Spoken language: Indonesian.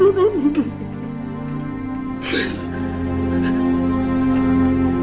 tapi mau diakhiri